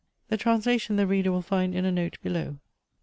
The translation the reader will find in a note below .